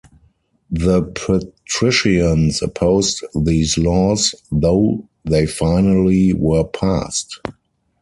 The patricians opposed these laws, though they finally were passed.